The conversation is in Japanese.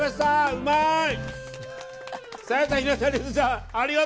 うまい！